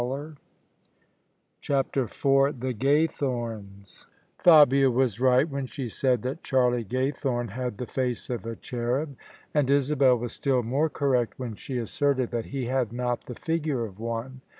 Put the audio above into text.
CHAPTER IV THE GAYTHORNBS Faua was r^t when she said that Charlie Gaythome had the face of a cherub and Isabel was still more correct when she asserted that he had not the figure of one.